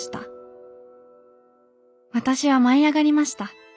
私は舞いあがりました。